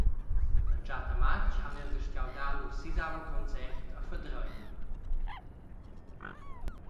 L’entschatta matg han els astgau dar lur sisavel concert a Fadrein.